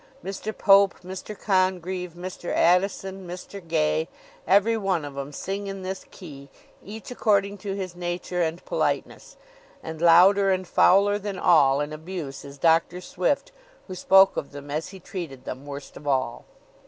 Mr. Pope, Mr. Congreve, Mr. Addison, Mr. Gay, every one of 'em, sing in this key, each according to his nature and politeness, and louder and fouler than all in abuse is Dr. Swift, who spoke of them as he treated them, worst of all.